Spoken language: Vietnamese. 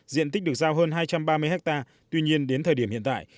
diện tích được giao hơn hai trăm ba mươi hectare tuy nhiên đến thời điểm hiện tại